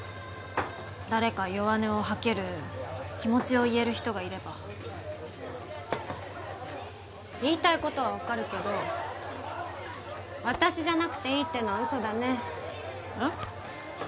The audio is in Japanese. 誰か弱音を吐ける気持ちを言える人がいれば言いたいことは分かるけど私じゃなくていいっていうのは嘘だねえっ？